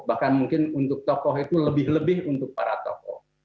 bahkan mungkin untuk tokoh itu lebih lebih untuk para tokoh